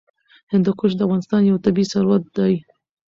هندوکش د افغانستان یو طبعي ثروت دی.